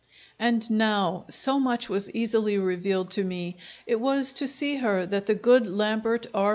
And now, so much was easily revealed to me: it was to see her that the good Lambert R.